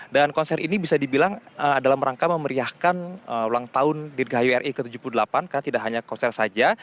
dan konser ini bisa dibilang dalam rangka memeriahkan ulang tahun di gayo ri ke tujuh puluh delapan karena tidak hanya konser saja